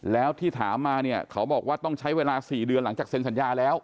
แล้วที่ถามมาเนี่ยเขาบอกว่าต้องใช้เวลา๔เดือนหลังจากเซ็นสัญญาแล้ว